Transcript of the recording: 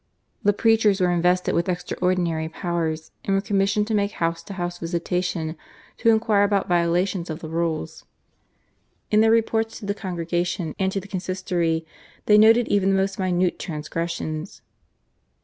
The preachers were invested with extraordinary powers, and were commissioned to make house to house visitations, to inquire about violations of the rules. In their reports to the Congregation and to the Consistory they noted even the most minute transgressions.